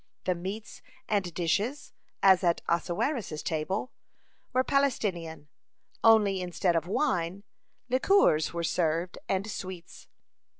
The meats and dishes, as at Ahasuerus's table, were Palestinian, only instead of wine, liqueurs were served, and sweets.